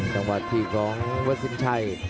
จังหวัดถี่ของวัดสินชัย